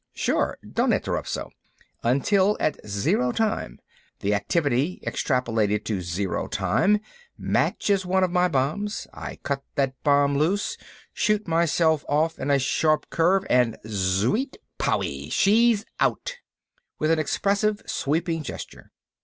"Sure—don't interrupt so—until at zero time the activity, extrapolated to zero time, matches one of my bombs. I cut that bomb loose, shoot myself off in a sharp curve, and Z W E E E T—POWIE! She's out!" With an expressive, sweeping gesture.